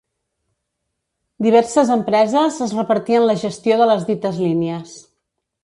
Diverses empreses es repartien la gestió de les dites línies.